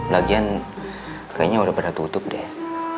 lagian kayaknya udah pada tutup deh